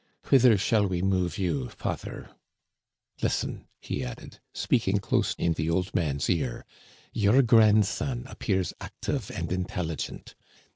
Whither shall we move you, father ? Listen," he added, speaking close in the old man's ear. "Your grandson appears active and intelligent.